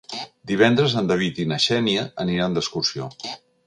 Divendres en David i na Xènia aniran d'excursió.